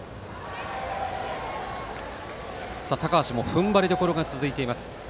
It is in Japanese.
高橋もふんばりどころが続いています。